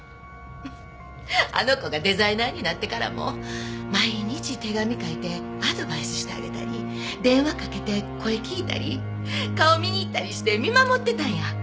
フフッあの子がデザイナーになってからも毎日手紙書いてアドバイスしてあげたり電話かけて声聞いたり顔見に行ったりして見守ってたんや。